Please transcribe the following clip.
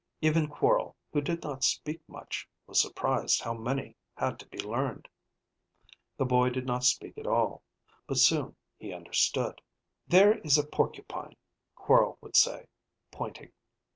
Even Quorl, who did not speak much, was surprised how many had to be learned. The boy did not speak at all. But soon he understood. "There is a porcupine," Quorl would say, pointing.